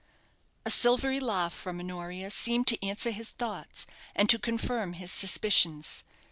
A silvery laugh from Honoria seemed to answer his thoughts, and to confirm his suspicions.